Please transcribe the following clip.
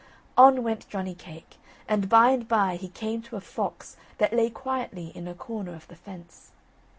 On went Johnny cake, and by and by he came to a fox that lay quietly in a corner of the fence.